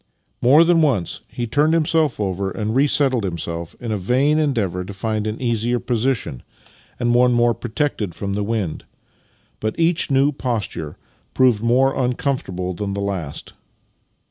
" More than once he turned himself over and resettled himself, in a vain endeavour to find an easier position and one more protected from the wind, but each new posture proved more uncomfortable than the last.